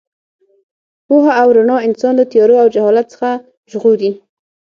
پوهه او رڼا انسان له تیارو او جهالت څخه ژغوري.